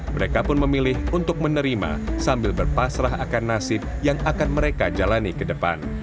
mereka pun memilih untuk menerima sambil berpasrah akan nasib yang akan mereka jalani ke depan